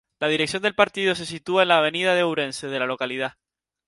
La dirección del partido se sitúa en la Avenida de Ourense de la localidad.